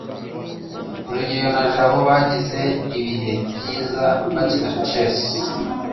rugeyo na jabo bagize ibihe byiza bakina chess